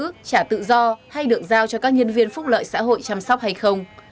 trả tự do hay được giao cho các nhân viên phúc lợi xã hội chăm sóc hay không